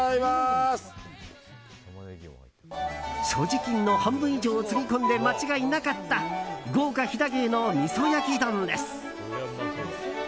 所持金の半分以上をつぎ込んで間違いなかった豪華飛騨牛のみそ焼き丼です。